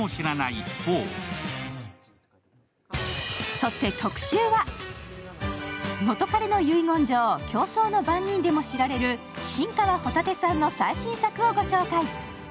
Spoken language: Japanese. そして特集は、「元彼の遺言状」「競争の番人」でも知られる新川帆立さんの最新作をご紹介。